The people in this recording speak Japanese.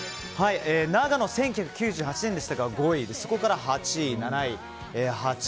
長野、１９９８年でしたが５位そこから８位、７位、８位、５位。